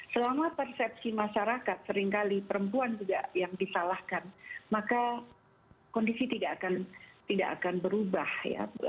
selama persepsi masyarakat seringkali perempuan juga yang disalahkan maka kondisi tidak akan berubah ya